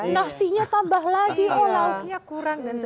nasinya tambah lagi kok lauknya kurang dan sebagainya